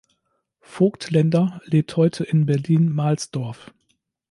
Voigtländer lebt heute in Berlin-Mahlsdorf.